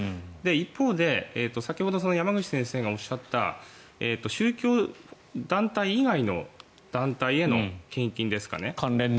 一方で先ほど山口先生がおっしゃった宗教団体以外の団体への献金ですかね。